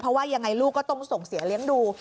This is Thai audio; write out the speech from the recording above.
เพราะว่ายังไงลูกก็ต้องส่งเสียเลี้ยงดู